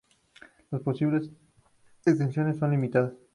Las posibles extensiones son limitadas.